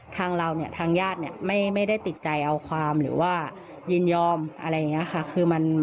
ทางเราเนี่ยทางญาติเนี่ยไม่ได้ติดใจเอาความหรือว่ายินยอมอะไรอย่างนี้ค่ะ